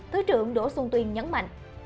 thứ trưởng đỗ xuân tuyên nhấn mạnh